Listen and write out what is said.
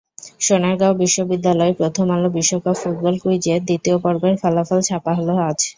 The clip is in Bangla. সোনারগাঁও বিশ্ববিদ্যালয়-প্রথম আলো বিশ্বকাপ ফুটবল কুইজের দ্বিতীয় পর্বের ফলাফল ছাপা হলো আজ।